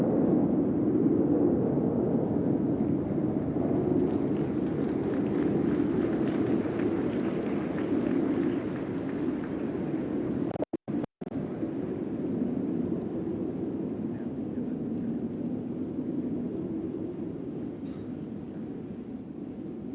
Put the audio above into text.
kemerdekaan republik indonesia tahun dua ribu sembilan belas